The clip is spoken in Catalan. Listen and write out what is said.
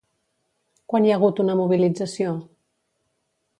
Quan hi ha hagut una mobilització?